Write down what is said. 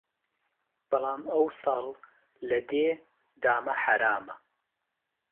بەڵام ئەو ساڵ لە دێ دامە حەرامە